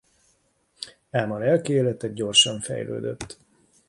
Ám a lelki élete gyorsan fejlődött.